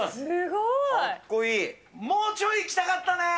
もうちょいいきたかったね。